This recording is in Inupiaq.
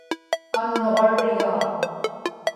annuġarrigaa